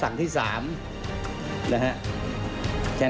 ส่วนต่างกระโบนการ